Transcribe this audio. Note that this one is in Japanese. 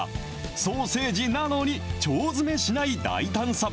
ソーセージなのに、腸詰めしない大胆さ。